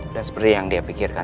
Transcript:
dan seperti yang dia pikirkan